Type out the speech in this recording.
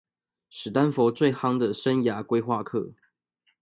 史丹佛最夯的生涯規畫課